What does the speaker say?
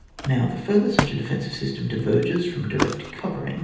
Now, the further such a defensive sys tem diverges from direct covering, the CHAP.